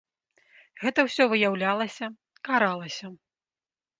Гэта ўсё выяўлялася, каралася.